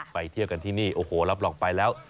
ไปเที่ยวกันที่นี่โอ้โหรับรองไปแล้ว